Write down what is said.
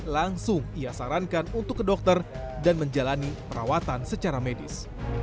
langsung ia sarankan untuk ke dokter dan menjalani perawatan secara medis